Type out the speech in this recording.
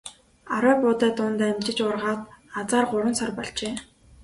Арвай буудай дунд амжиж ургаад азаар гурван сар болжээ.